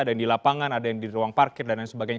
ada yang di lapangan ada yang di ruang parkir dan lain sebagainya